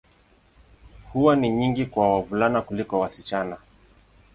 Huwa ni nyingi kwa wavulana kuliko wasichana.